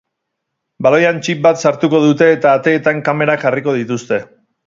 Baloian txip bat sartuko dute eta ateetan kamerak jarriko dituzte.